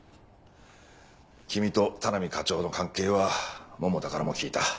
君と田波課長の関係は百田からも聞いた。